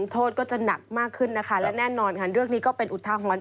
โทษก็จะหนักมากขึ้นนะคะและแน่นอนค่ะเรื่องนี้ก็เป็นอุทาหรณ์